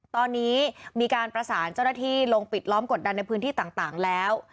ตอนนี้มีการประสานเจ้าหน้าที่ลงปิดล้อมกดดันในพื้นที่ต่างแล้ว